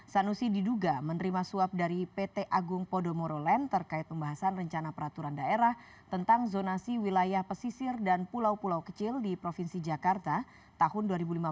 sanusi diduga menerima suap dari pt agung podomurolen terkait pembahasan rencana peraturan daerah tentang zonasi wilayah pesisir dan pulau pulau kecil di provinsi jakarta tahun dua ribu lima belas dua ribu tiga puluh lima